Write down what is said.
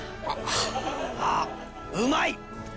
ああうまい！